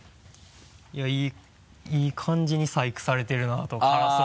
いやいい感じに細工されてるなと辛そうに。